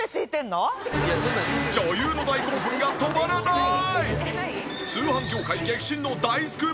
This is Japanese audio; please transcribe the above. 女優の大興奮が止まらない！